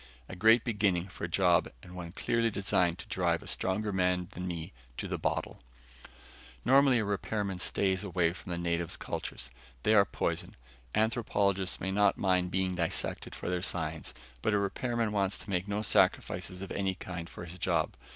A great beginning for a job and one clearly designed to drive a stronger man than me to the bottle. Normally, a repairman stays away from native cultures. They are poison. Anthropologists may not mind being dissected for their science, but a repairman wants to make no sacrifices of any kind for his job.